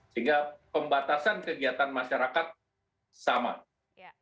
sehingga pembatasan kegiatan masyarakat sama